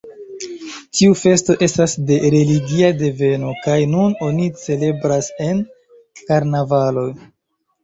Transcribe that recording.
Tiu festo estas de religia deveno kaj nun oni celebras en karnavalo.